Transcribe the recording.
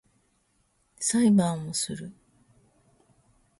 裁判をする